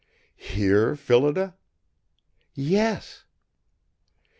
"Here, Phillida?" "Yes."